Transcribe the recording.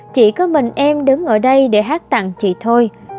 chỉ có mình em đứng ở đây để hát tặng chị thôi